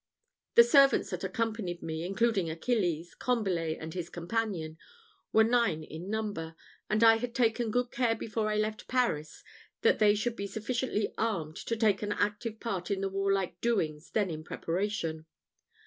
The servants that accompanied me, including Achilles, Combalet, and his companion, were nine in number; and I had taken good care before I left Paris, that they should be sufficiently armed, to take an active part in the warlike doings then in preparation.